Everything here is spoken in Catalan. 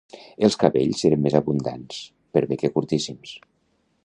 Els cabells eren més abundants, per bé que curtíssims.